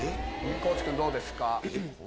地君どうですか？